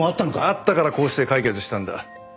あったからこうして解決したんだ。